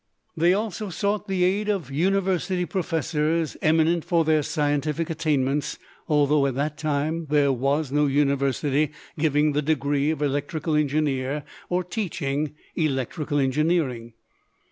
They also sought the aid of university professors eminent for their scientific attainments, although at that time there was no university giving the degree of Electrical Engineer or teaching electrical engineering.